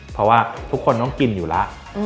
เพราะว่าทุกคนต้องกินอยู่แล้ว